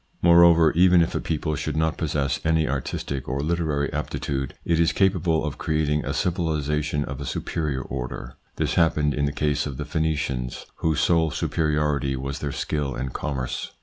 Moreover, even if a people should not possess any artistic or literary aptitude, it is capable of creating a civilisation of a superior order. This happened in the case of the Phenicians, whose sole superiority was their skill in commerce.